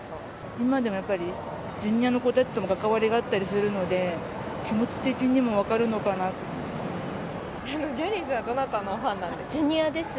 今でもやっぱり、Ｊｒ．の子たちとも関わりがあったりするので、気持ち的にも分かジャニーズはどなたのファンＪｒ．です。